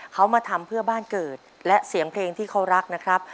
เขามาทำเพื่อบ้านเกิดและเสียงเพลงที่เขารักนะครับ